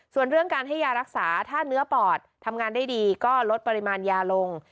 ส่วนเรื่องการให้ยารักษาถ้าเนื้อปอดทำงานได้ดีก็ลดปริมาณยาลง